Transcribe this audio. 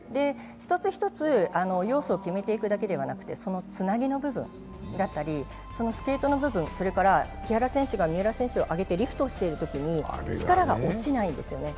１つ１つ要素を決めていくだけでなくてそのつなぎの部分だったりスケートの部分、それから木原選手が三浦選手を上げてリフトをしているときに力が落ちないんですね。